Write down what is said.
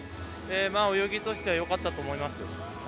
泳ぎとしてはよかったと思います。